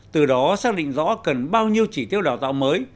từ đó xác định rõ cần bao nhiêu chỉ tiêu đào tạo mới